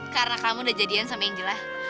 karena kamu udah jadian sama angela